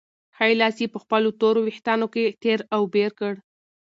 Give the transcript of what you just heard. ښی لاس یې په خپلو تورو وېښتانو کې تېر او بېر کړ.